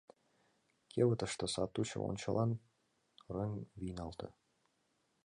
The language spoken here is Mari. Кевытыште сатучо ончылан рыҥ вийналте.